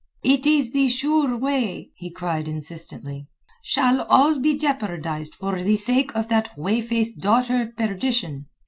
"It is the sure way," he cried insistently. "Shall all be jeopardized for the sake of that whey faced daughter of perdition?